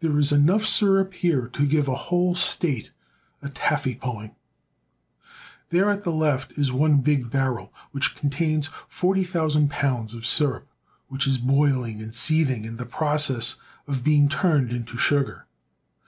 There is enough sirup here to give a whole state a taffy pulling. There at the left is one big barrel which contains forty thousand pounds of sirup, which is boiling and seething in the process of being turned into sugar.